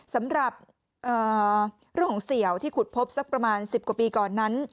สำหรับเรื่องของเสี่ยวที่ขุดพบสักประมาณ๑๐กว่าปีก่อนนั้น